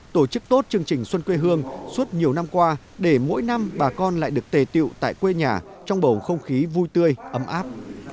tổ chức tốt chương trình xuân quê hương suốt nhiều năm qua để mỗi năm bà con lại được tề tiệu tại quê nhà trong bầu không khí vui tươi ấm áp